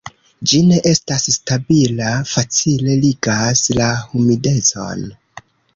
Ĝi ne estas stabila, facile ligas la humidecon.